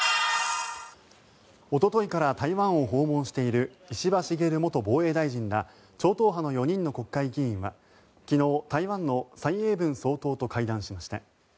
おとといから台湾を訪問している石破茂元防衛大臣ら超党派の４人の国会議員は昨日、台湾の蔡英文総統と会談しました。